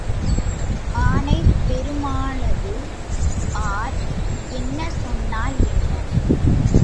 ஆனை பெருமாளது ஆர் என்ன சொன்னால் என்ன?